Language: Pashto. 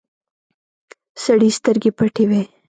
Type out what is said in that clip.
سړي سترګې پټې وې.